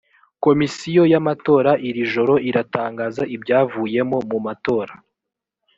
komisiyo ya matora iri joro iratangaza ibyavuyemo mu matora